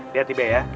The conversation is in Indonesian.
lihat ube ya